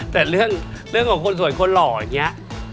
แต่เรื่องของคนสวยคนหล่ออย่างนี้